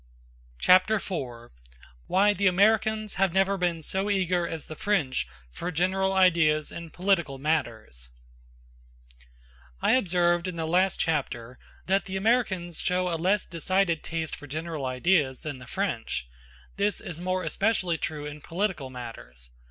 Chapter IV: Why The Americans Have Never Been So Eager As The French For General Ideas In Political Matters I observed in the last chapter, that the Americans show a less decided taste for general ideas than the French; this is more especially true in political matters.